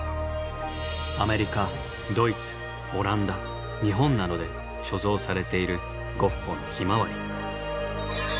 アメリカドイツオランダ日本などで所蔵されているゴッホの「ヒマワリ」。